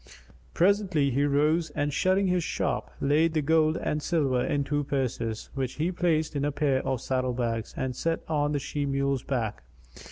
Presently he rose and shutting his shop, laid the gold and silver in two purses, which he placed in a pair of saddle bags and set on the she mule's back.